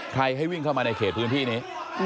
ให้วิ่งเข้ามาในเขตพื้นที่นี้